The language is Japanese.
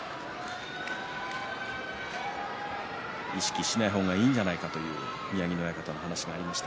意識しない方がいいんじゃないかと宮城野親方のお話がありました。